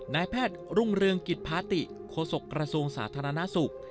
นายแพทย์รุ่งเรืองกิจพาติโฆษกระทรวงสาธารณสุข